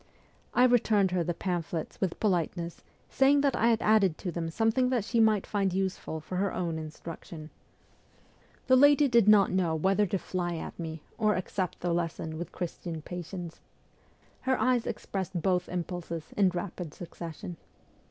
I returned her the pamphlets with politeness, saying that I had added to them something that she might find useful for her own instruction. The lady did not know whether to fly at me or to 250 MEMOIRS OF A REVOLUTIONIST accept the lesson with Christian patience. Her eyes expressed both impulses in rapid succession.